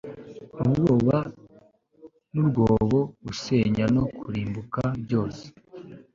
Ubwoba n urwobo gusenya no kurimbuka Byose